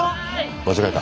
間違えた？